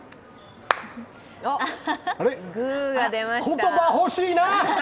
言葉、欲しいな！